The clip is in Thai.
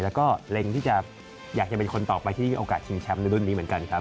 แล้วก็เล็งที่จะอยากจะเป็นคนต่อไปที่มีโอกาสชิงแชมป์ในรุ่นนี้เหมือนกันครับ